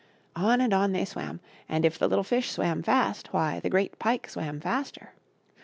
On and on they swam, and if the little fish swam fast, why, the great pike swam faster.